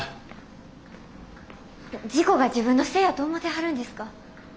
事故が自分のせいやと思てはるんですか？